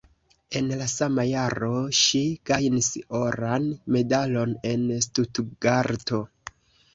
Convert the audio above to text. En la sama jaro ŝi gajnis oran medalon en Stutgarto.